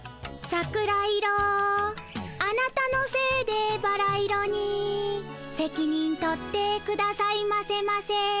「桜色あなたのせいでバラ色にせきにん取って下さいませませ」。